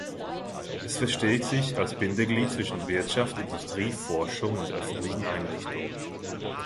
Es versteht sich als Bindeglied zwischen Wirtschaft, Industrie, Forschung und öffentlichen Einrichtungen.